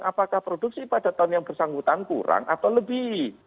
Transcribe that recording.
apakah produksi pada tahun yang bersangkutan kurang atau lebih